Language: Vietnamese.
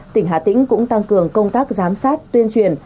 tỉnh hà tĩnh cũng tăng cường công tác giám sát tuyên truyền